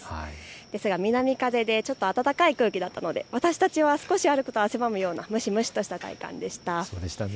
ですが南風でちょっと暖かい空気だったので少し歩くと蒸し蒸しとした体感でした。